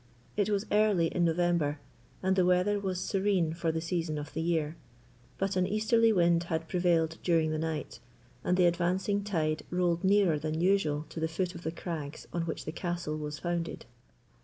It was early in November, and the weather was serene for the season of the year. But an easterly wind had prevailed during the night, and the advancing tide rolled nearer than usual to the foot of the crags on which the castle was founded.